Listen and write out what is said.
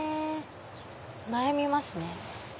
悩みますね。